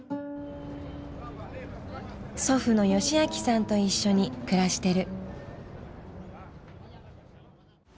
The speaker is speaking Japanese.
祖父のヨシアキさんと一緒に暮らしてる。